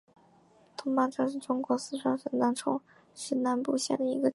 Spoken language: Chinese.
东坝镇是中国四川省南充市南部县的一个镇。